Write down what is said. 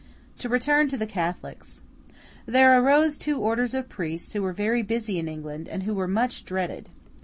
To return to the Catholics. There arose two orders of priests, who were very busy in England, and who were much dreaded.